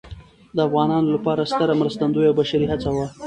د افغانانو لپاره ستره مرستندویه او بشري هڅه وه.